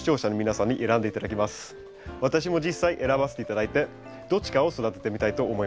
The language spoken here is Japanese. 私も実際選ばせて頂いてどっちかを育ててみたいと思います。